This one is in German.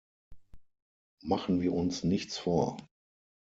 Machen wir uns nichts vor.